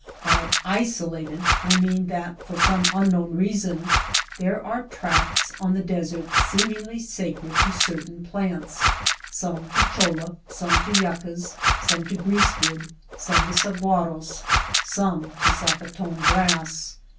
By " isolated ^^ I mean that for some unknown reason there are tracts on the desert seemingly sacred to certain plants, some to cholla, some to yuccas, some to grease wood, some to sahuaros, some to sacaton grass.